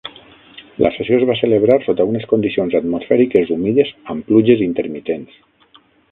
La sessió es va celebrar sota unes condicions atmosfèriques humides amb pluges intermitents.